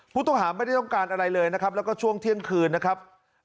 ผู้ต้องหาไม่ได้ต้องการอะไรเลยนะครับแล้วก็ช่วงเที่ยงคืนนะครับ